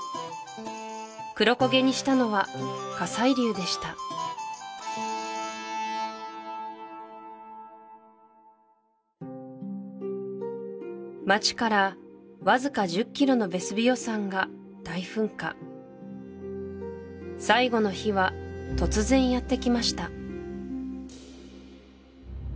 黒焦げにしたのは火砕流でした街からわずか１０ｋｍのヴェスヴィオ山が大噴火最後の日は突然やってきました